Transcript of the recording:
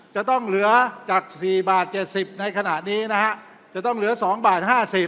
จะต้องเหลือจาก๔บาท๗๐ในขณะนี้นะฮะจะต้องเหลือ๒บาท๕๐บาท